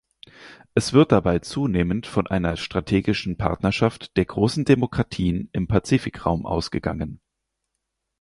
Es wird dabei zunehmend von einer strategischen Partnerschaft der großen Demokratien im Pazifikraum ausgegangen.